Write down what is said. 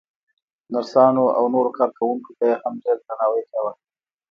نرسانو او نورو کارکوونکو به يې هم ډېر درناوی کاوه.